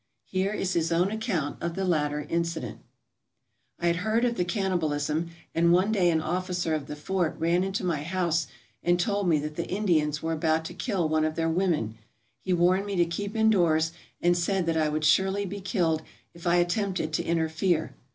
Here is his own account of the latter incident: 14 THE TOWN OF THE GOOD INDIANS "I had heard of the cannibalism, and one day an officer of the fort ran into my house and told me that the I ndians were about to kill one of their women. He warned me to keep indoors and said that I would surely be killed if I attempted to interfere.